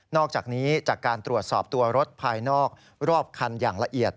อกจากนี้จากการตรวจสอบตัวรถภายนอกรอบคันอย่างละเอียด